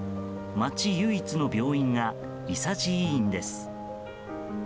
町唯一の病院が伊佐治医院です。